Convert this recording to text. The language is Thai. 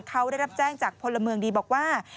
เขาได้รับแจ้งจากพลเมืองดีบอกว่า